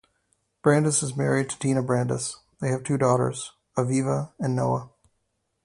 Brandes is married to Deena Brandes; they have two daughters, Aviva and Noa.